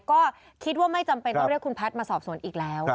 ก็คิดว่าไม่จำเป็นต้องเรียกคุณแพทย์มาสอบสวนอีกแล้ว